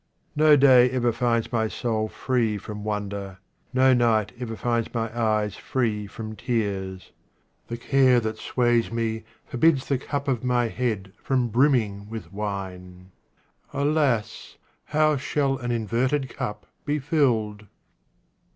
No day ever finds my soul free from wonder, no night ever finds my eyes free from tears. The care that sways me forbids the cup of my head from brimming with wine. Alas ! how shall an inverted cup be filled